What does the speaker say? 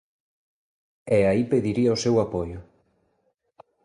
E aí pediría o seu apoio.